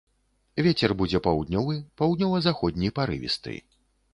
Вецер будзе паўднёвы, паўднёва-заходні парывісты.